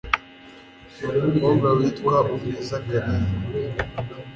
n'umukobwa witwa Umwiza Carine.